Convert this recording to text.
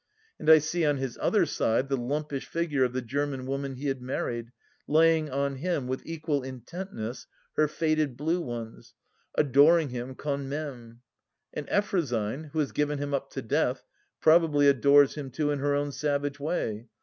And I see on his other side the lumpish figure of the Grerman woman he had married, laying on him, with equal intent ness, her faded blue ones, adoring him guand mime 1 And Effrosyne, who has given him up to death, probably adores him too in her own savage way.